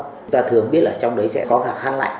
chúng ta thường biết là trong đấy sẽ có cả khăn lạnh